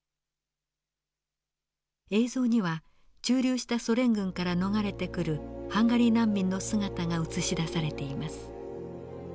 映像には駐留したソ連軍から逃れてくるハンガリー難民の姿が映し出されています。